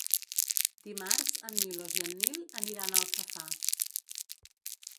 Dimarts en Milos i en Nil aniran a Alfafar.